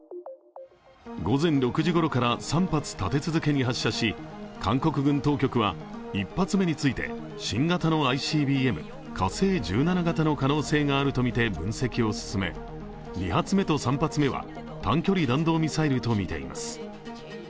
午前６時ごろから３発立て続けに発射し韓国軍当局は、１発目について新型のＩＣＢＭ火星１７型の可能性があるとみて分析を進め、２発目と３発目は短距離弾道ミサイルとみています。